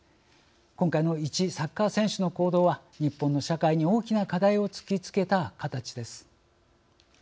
今回の一サッカー選手の行動は日本の社会に大きな課題を突きつけた形です。